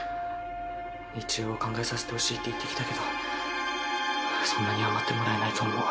一応考えさせてほしいって言ってきたけどそんなには待ってもらえないと思う。